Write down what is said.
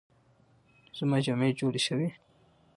زما جامې جوړې شوې؟